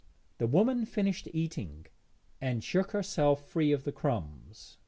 The woman finished eating and shook herself free of the crumbs.